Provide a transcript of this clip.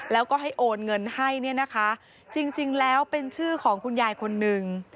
แล้วก็ให้โอนเงินให้เนี่ยนะคะจริงแล้วเป็นชื่อของคุณยายคนนึง